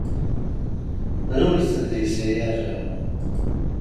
Ɣiwlet deg-s ay arraw!